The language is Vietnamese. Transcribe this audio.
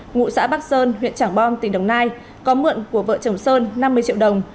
ngụ xã bắc sơn huyện trảng bom tỉnh đồng nai có mượn của vợ chồng sơn năm mươi triệu đồng